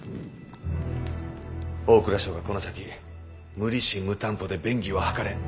大蔵省が「この先無利子無担保で便宜は図れん。